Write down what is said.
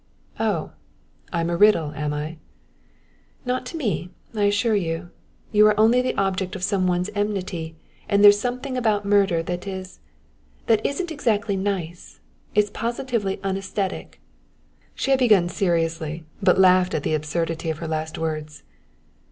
"Oh; I'm a riddle, am I?" "Not to me, I assure you! You are only the object of some one's enmity, and there's something about murder that is that isn't exactly nice! It's positively unesthetic." She had begun seriously, but laughed at the absurdity of her last words.